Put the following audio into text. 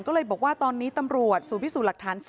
ก็เลยบอกว่าตอนนี้ตำรวจศูนย์พิสูจน์หลักฐาน๔